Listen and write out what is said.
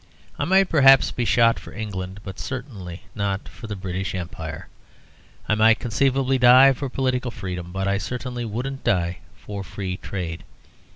I might, perhaps, be shot for England, but certainly not for the British Empire. I might conceivably die for political freedom, but I certainly wouldn't die for Free Trade.